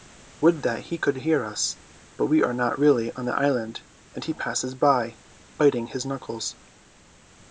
Would that he could hear us, but we are not really on the island, and he passes by, biting his knuckles.